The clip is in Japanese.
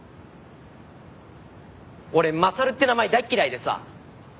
俺優って名前大嫌いでさ。